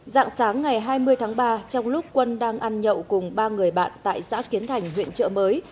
dạng sáng ngày hai mươi tháng ba trong lúc quân đang ăn nhậu cùng ba người bạn tại xã kiến thành huyện trợ mới